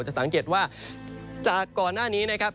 จะสังเกตว่าจากก่อนหน้านี้นะครับ